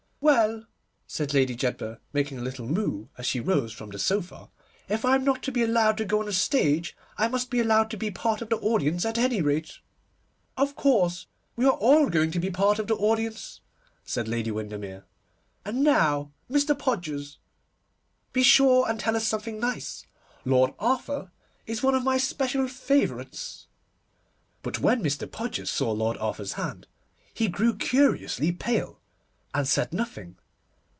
'Well,' said Lady Jedburgh, making a little moue as she rose from the sofa, 'if I am not to be allowed to go on the stage, I must be allowed to be part of the audience at any rate.' 'Of course; we are all going to be part of the audience,' said Lady Windermere; 'and now, Mr. Podgers, be sure and tell us something nice. Lord Arthur is one of my special favourites.' But when Mr. Podgers saw Lord Arthur's hand he grew curiously pale, and said nothing.